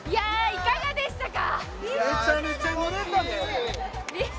いかがでしたか？